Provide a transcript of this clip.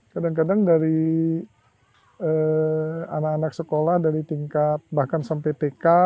kadang kadang dari anak anak sekolah dari tingkat bahkan sampai tk